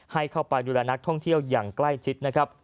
ให้เข้าไปดูแลนักท่องเที่ยวอย่างใกล้ชิดนะครับ